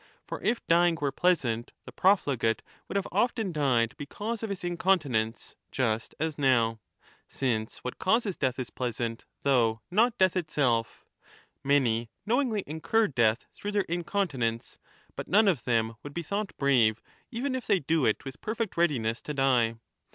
For if dying were pleasant, the profligate would have often died because of his incontinence, just as now — 35 since what causes death is pleasant though not death itself — many knowingly incur death through their incontinence, but none of them would be thought brave even if they do it uith perfect readiness to die.